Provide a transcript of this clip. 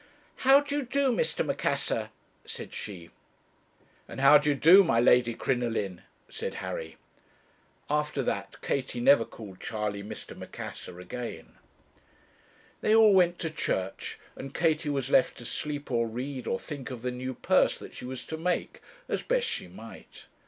'How d'ye do, Mr. Macassar?' said she. 'And how d'ye do, my Lady Crinoline?' said Harry. After that Katie never called Charley Mr. Macassar again. They all went to church, and Katie was left to sleep or read, or think of the new purse that she was to make, as best she might.